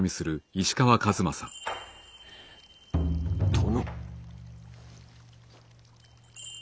殿。